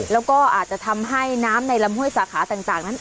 แล้วก็อาจจะทำให้น้ำในลำห้วยสาขาต่างนั้น